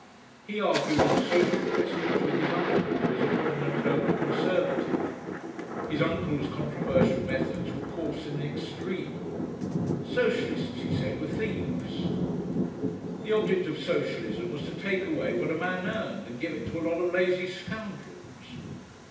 He argued on social questions with his uncle, who was a prominent local Conservative. His uncle's controversial methods were coarse in the extreme. Socialists, he said, were thieves. The object of Socialism was to take away what a man earned and give it to "a lot of lazy scoundrels."